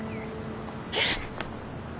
えっ！？